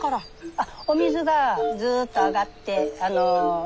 あっお水がずっと上がってあの白梅酢。